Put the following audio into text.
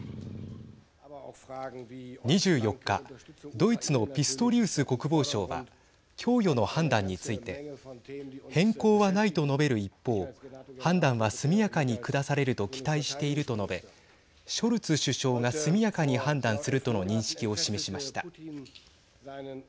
２４日ドイツのピストリウス国防相は供与の判断について変更はないと述べる一方判断は速やかに下されると期待していると述べショルツ首相が速やかに判断するとの認識を示しました。